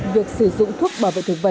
việc sử dụng thuốc bảo vệ thực vật